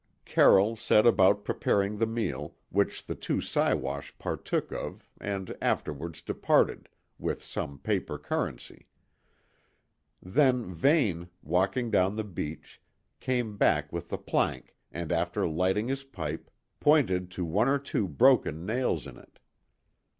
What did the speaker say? Carroll set about preparing the meal, which the two Siwash partook of and afterwards departed, with some paper currency. Then Vane, walking down the beach, came back with the plank, and after lighting his pipe, pointed to one or two broken nails in it.